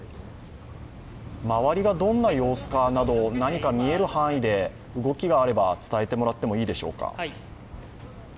周りがどんな様子かなど、何か見える範囲で動きがあれば伝えてもらってもよろしいでしょうか。